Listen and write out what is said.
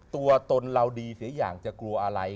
ตัวตนเราดีเสียอย่างจะกลัวอะไร